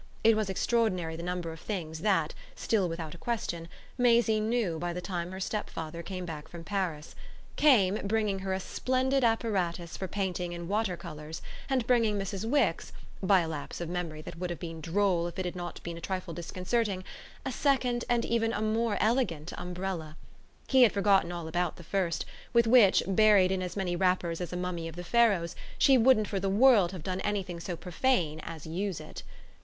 It was extraordinary the number of things that, still without a question, Maisie knew by the time her stepfather came back from Paris came bringing her a splendid apparatus for painting in water colours and bringing Mrs. Wix, by a lapse of memory that would have been droll if it had not been a trifle disconcerting, a second and even a more elegant umbrella. He had forgotten all about the first, with which, buried in as many wrappers as a mummy of the Pharaohs, she wouldn't for the world have done anything so profane as use it.